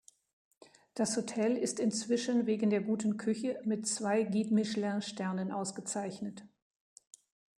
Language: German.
Das Hotel ist inzwischen wegen der guten Küche mit zwei Guide-Michelin-Sternen ausgezeichnet.